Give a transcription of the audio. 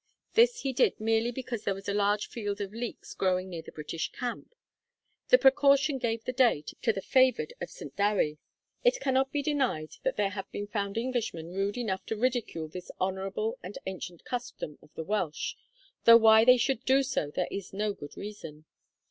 This he did merely because there was a large field of leeks growing near the British camp. The precaution gave the day to the favoured of St. Dewi. It cannot be denied that there have been found Englishmen rude enough to ridicule this honourable and ancient custom of the Welsh, though why they should do so there is no good reason.